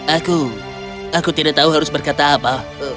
aku aku tidak tahu harus berkata apa